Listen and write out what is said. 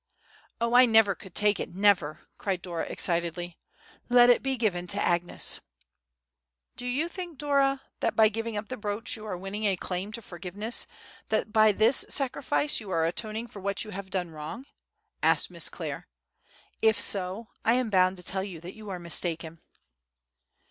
"Oh, I never could take it, never!" cried Dora, excitedly; "let it be given to Agnes." "Do you think, Dora, that by giving up the brooch you are winning a claim to forgiveness—that by this sacrifice you are atoning for what you have done wrong?" asked Miss Clare. "If so, I am bound to tell you that you are mistaken."